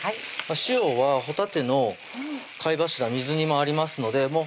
塩はほたての貝柱水煮もありますのでもう